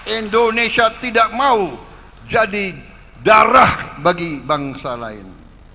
indonesia tidak mau jadi darah bagi bangsa lain